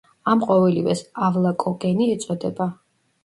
ამ ყოველივეს ავლაკოგენი ეწოდება.